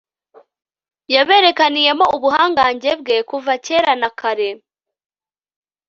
yaberekaniyemo ubuhangange bwe kuva kera na kare